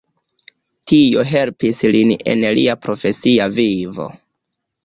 Tio helpis lin en lia profesia vivo.